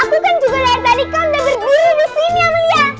aku kan juga lihat tadi kau udah berdiri di sini amelia